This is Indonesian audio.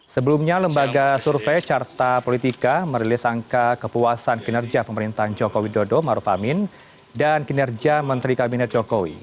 sebelumnya lembaga survei carta politika merilis angka kepuasan kinerja pemerintahan jokowi dodo maruf amin dan kinerja menteri kabinet jokowi